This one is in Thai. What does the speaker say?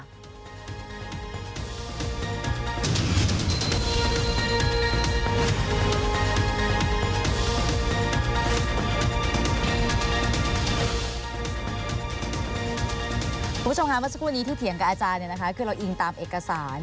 คุณผู้ชมค่ะเมื่อสักครู่นี้ที่เถียงกับอาจารย์เนี่ยนะคะคือเราอิงตามเอกสาร